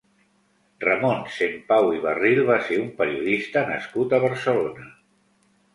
Ramon Sempau i Barril va ser un periodista nascut a Barcelona.